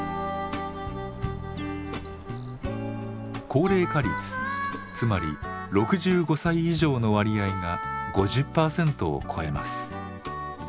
高齢化率つまり６５歳以上の割合が５０％を超えます。